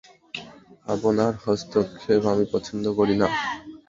আপনার হস্তক্ষেপও আমি পছন্দ করি না।